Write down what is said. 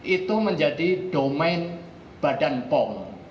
itu menjadi domain badan pom